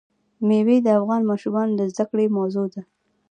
مېوې د افغان ماشومانو د زده کړې موضوع ده.